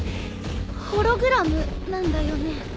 ホログラムなんだよね？